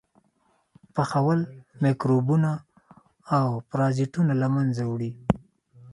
پخول میکروبونه او پرازیټونه له منځه وړي.